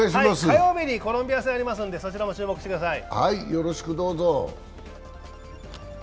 火曜日にコロンビア戦もありますのでそちらも注目してください。